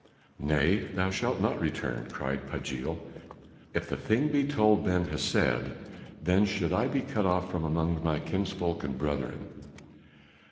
"Nay, thou shalt not return!" cried Pagiel. "If the thing be told Ben Hesed then should I be cut off from among my kinsfolk and brethren."